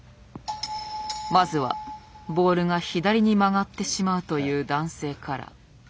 まずはボールが左に曲がってしまうという男性から。